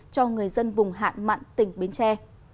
cho người dân vùng hạn mặn tỉnh bến tre